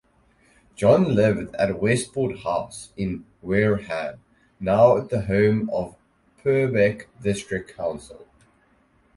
John lived at Westport House in Wareham, now the home of Purbeck District Council.